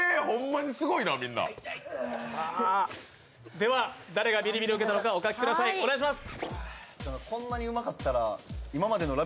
では、誰がビリビリを受けたのかお書きください、お願いします。